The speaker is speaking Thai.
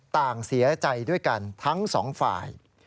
ต่างเสียใจด้วยกันทั้งสองฝ่าย